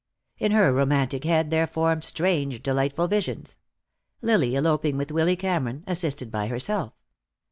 In her romantic head there formed strange, delightful visions. Lily eloping with Willy Cameron, assisted by herself.